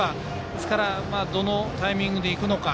ですからどのタイミングで行くか。